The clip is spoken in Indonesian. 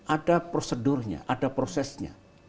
ada prosedurnya ada prosesnya